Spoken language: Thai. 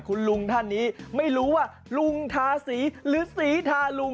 คุณลุงท่านนี้ไม่รู้ว่าลุงทาสีหรือสีทาลุง